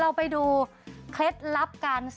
โอ้มายกาล